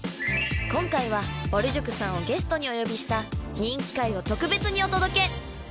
今回はぼる塾さんをゲストにお呼びした人気回を特別にお届け！